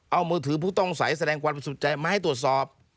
เอามือถือผู้ต้องสัยแสดงความบริสุทธิ์ใจมาให้ตรวจสอบ